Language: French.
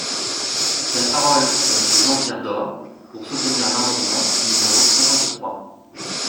La parole est à Monsieur Jean-Pierre Door, pour soutenir l’amendement numéro cinquante-trois.